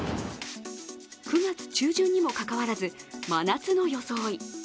９月中旬にもかかわらず真夏の装い。